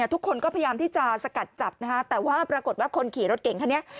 ทุกคนก็พยายามที่จะสกัดจับแต่ว่าปรากฏว่าคนขี่รถเก่งคันนี้